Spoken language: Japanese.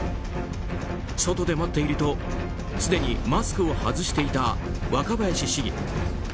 外で待っているとすでにマスクを外していた若林市議。